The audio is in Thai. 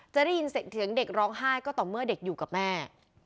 จะได้ยินเสียงเด็กร้องไห้ก็ต่อเมื่อเด็กอยู่กับแม่